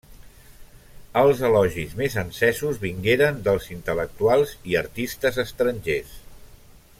Els elogis més encesos vingueren dels intel·lectuals i artistes estrangers.